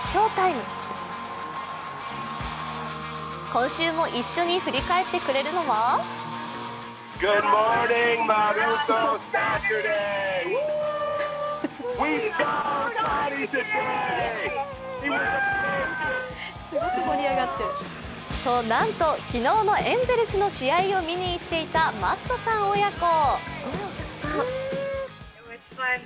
今週も一緒に振り返ってくれるのはなんと、昨日のエンゼルスの試合を見に行っていたマットさん親子。